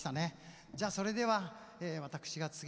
じゃあそれでは私が次歌います。